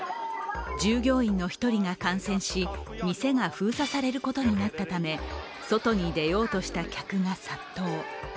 従業員の１人が感染し店が封鎖されることになったため外に出ようとした客が殺到。